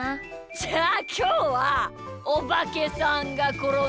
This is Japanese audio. じゃあきょうは「おばけさんがころんだ」